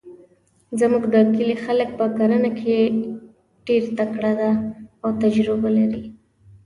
زموږ د کلي خلک په کرنه کې ډیرتکړه ده او تجربه لري